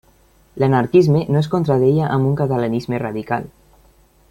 L'anarquisme no es contradeia amb un catalanisme radical.